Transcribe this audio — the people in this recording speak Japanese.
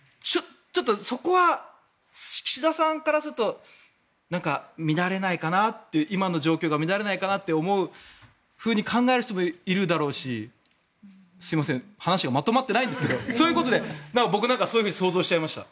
そこは岸田さんからすると乱れないかなって今の状況が乱れないかなと考える人もいるだろうしすいません話がまとまってないんですけどそういうことで僕なんかは想像しちゃいました。